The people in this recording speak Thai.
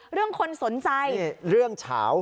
เรื่องคนสนใจเรื่องเฉา